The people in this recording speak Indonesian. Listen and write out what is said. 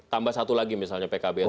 tambah satu lagi misalnya pkb